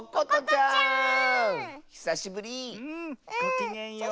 ひさしぶり。ごきげんよう。